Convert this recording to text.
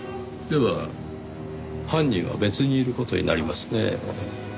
では犯人は別にいる事になりますね。